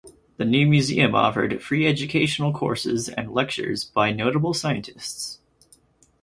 The new museum offered free educational courses and lectures by notable scientists.